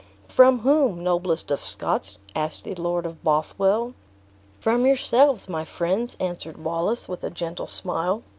"From whom, noblest of Scots!" asked the Lord of Bothwell. "From yourselves, my friends," answered Wallace, with a gentle smile.